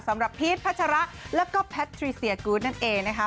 สำหรับพีชพัชระแล้วก็แพทรีเซียกู๊ดนั่นเองนะครับ